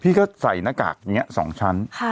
ก็ใส่หน้ากากอย่างนี้๒ชั้น